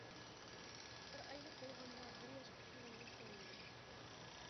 بىر ئايلىق بولغاندا بىر ياشقا كىرگەندەك چوڭىيىدۇ.